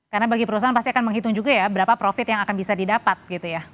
karena bagi perusahaan pasti akan menghitung juga ya berapa profit yang akan bisa didapat gitu ya